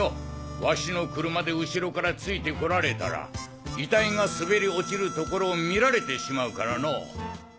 わしの車で後ろからついて来られたら遺体が滑り落ちるところを見られてしまうからのぉ。